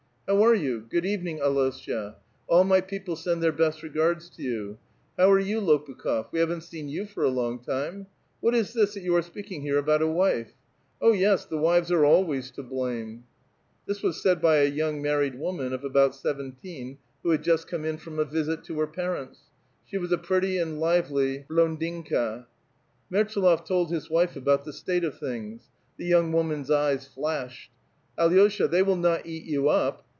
'• How are you? good evening, Al6sha : all my people send their hest regards to you. How are you, Lopukh6f ; we havi'u't seen you for a long time. What is this that you are speaking here alx>ut a wife ? Oh, ves, the wives are always to hlame 1 " This was said by a young marrte<l womau of about seven tiH'U who had just come in from a visit to her parents ; she was a |)retly and lively blonditthi. Mertsalof told his wife al>out the state of thinofs. The vounjr woman's eves flashed. '• Alosha, tliey will not eat you up